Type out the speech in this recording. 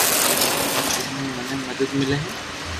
جي مون مني مدد ملي ھي